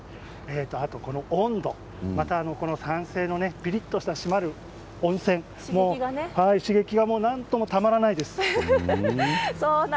あと、この温度酸性のピリッとしたしばる温泉刺激がなんともたまらないです。